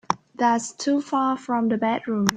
That's too far from the bedroom.